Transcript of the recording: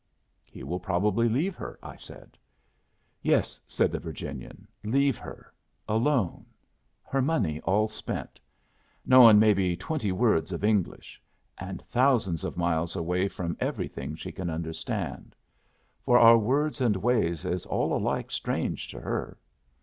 "He will probably leave her," I said. "Yes," said the Virginian "leave her. Alone; her money all spent; knowin' maybe twenty words of English; and thousands of miles away from everything she can understand. For our words and ways is all alike strange to her."